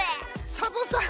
サボさん。